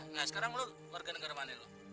nah sekarang lo warga negara mana lo